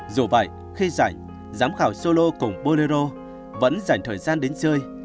dù vậy khi rảnh giám khảo solo cùng bolero vẫn rảnh thời gian đến chơi